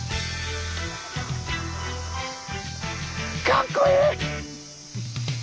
かっこいい！